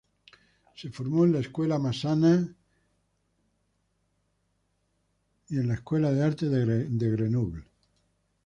Se formó en la Escuela Massana y la School of Fine Arts de Grenoble.